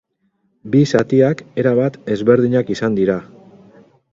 Bi zatiak erabat ezberdinak izan dira.